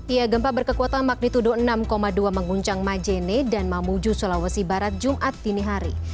ya gempa berkekuatan magnitudo enam dua mengguncang majene dan mamuju sulawesi barat jumat dini hari